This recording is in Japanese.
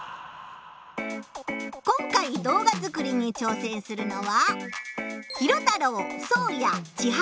今回動画作りに挑戦するのは。